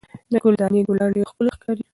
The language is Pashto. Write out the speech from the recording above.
د ګل دانۍ ګلان ډېر ښکلي ښکاري.